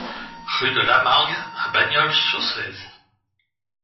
Rue de Lamargue à Bagnols-sur-Cèze